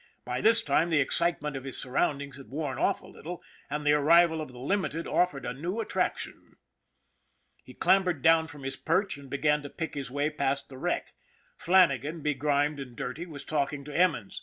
By this time the excitement of his surroundings had worn off a little, and the arrival of the Limited offered a new attraction. He clambered down from his perch and began to pick his way past the wreck. Flannagan, begrimed and dirty, was talking to Emmons.